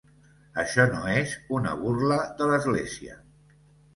Això no és una burla de l'església.